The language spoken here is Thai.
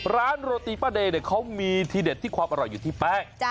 โรตีป้าเดย์เขามีทีเด็ดที่ความอร่อยอยู่ที่แป้ง